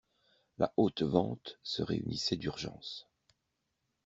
La Haute Vente se réunissait d'urgence.